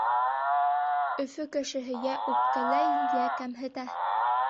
Өфө кешеһе йә үпкәләй, йә кәмһетә.